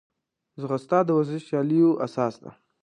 ځغاسته د ورزشي سیالیو اساس ده